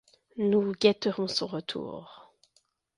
Nous guetterons son retour